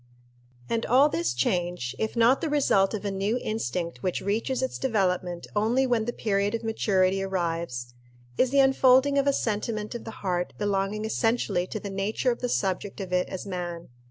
And all this change, if not the result of a new instinct which reaches its development only when the period of maturity arrives, is the unfolding of a sentiment of the heart belonging essentially to the nature of the subject of it as man.